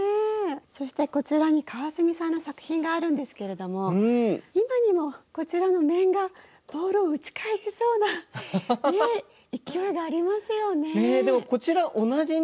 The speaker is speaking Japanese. そしてこちらに川住さんの作品があるんですけれども今にもこちらの面がボールを打ち返しそうな勢いがありますよね。